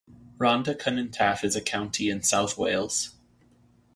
Rhondda Cynon Taf is a county in South Wales.